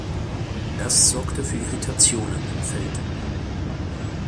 Das sorgte für Irritationen im Feld.